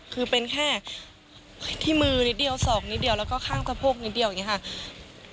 คือเป็นแค่ที่มือนิดเดียวศอกนิดเดียวแล้วก็ข้างสะโพกนิดเดียวอย่างนี้ค่ะ